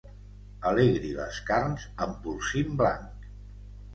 Alegri les carns amb polsim blanc.